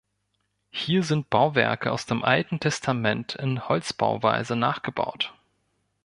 Hier sind Bauwerke aus dem Alten Testament in Holzbauweise nachgebaut.